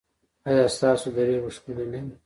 ایا ستاسو درې به ښکلې نه وي؟